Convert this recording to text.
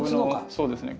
そうですね。